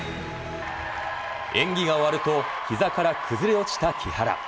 演技が終わるとひざから崩れ落ちた木原。